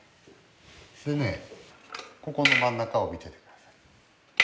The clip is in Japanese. でねここの真ん中を見てて下さい。